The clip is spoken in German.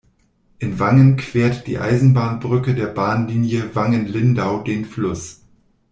In Wangen quert die Eisenbahnbrücke der Bahnlinie Wangen–Lindau den Fluss.